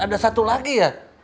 ada satu lagi ya